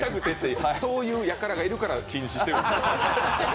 そういうやからがいるから禁止してるんですよ。